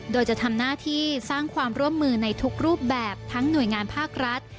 โดยจะทำหน้าที่สร้างความร่วมมือในทุกรูปแบบทั้งหน่วยงานภาครัฐ